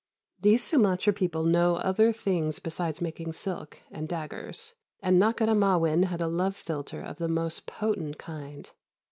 These Sumatra people know other things besides making silks and daggers, and Nakhôdah Ma'win had a love philtre of the most potent kind.